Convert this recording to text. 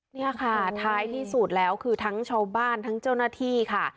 นี่ค่ะท้ายที่สุดแล้วคือทั้งชาวบ้านทั้งเจ้าหน้าที่ค่ะ